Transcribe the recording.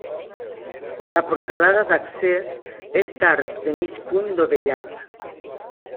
La portalada d'accés és d'arc de mig punt dovellat.